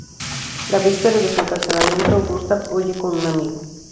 La víspera de su encarcelamiento, Gustav huye con un amigo.